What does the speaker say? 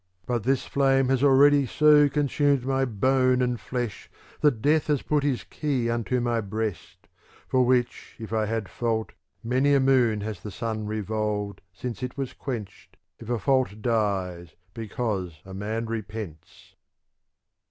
^ But this flame has already so consumed my bone and flesh that death has put his key unto my breast ; for which if I had fault many a moon has the sun revolved since it was quenched if a fault dies because a man repents.